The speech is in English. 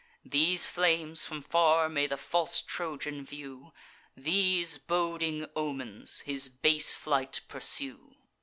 These flames, from far, may the false Trojan view; These boding omens his base flight pursue!"